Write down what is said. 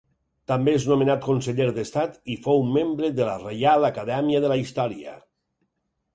També és nomenat conseller d'Estat i fou membre de la Reial Acadèmia de la Història.